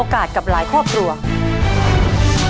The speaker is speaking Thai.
จะมาจับมือกันต่อสู้เพื่อโรงเรียนที่รักของพวกเค้า